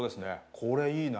これいいな。